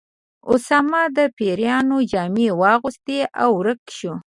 اسامه د پیریانو جامې واغوستې او ورک شو.